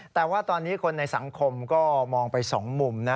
แต่ว่าตอนนี้คนในสังคมก็มองไปสองมุมนะ